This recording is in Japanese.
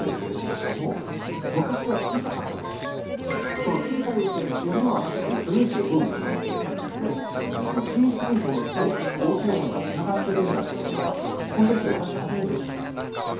その小さい宇宙っていうのは素粒子がブンブン飛んでた世界なのでその小さいものと大きなものがつながってるんだっていうのはこの時に私初めて知ったんです。